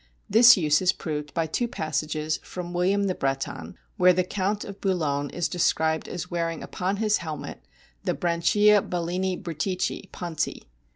This use is proved by two passages from William the Breton, where the Count of Boulogne is described as wearing upon his helmet the "Branchia Balaenae Britici ... ponti."